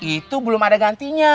itu belum ada gantinya